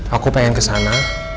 aku pengen kesana